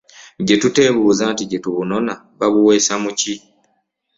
Jetutebuuza nti jetubunona babuweesa muki?